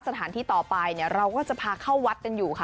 สถานที่ต่อไปเราก็จะพาเข้าวัดกันอยู่ค่ะ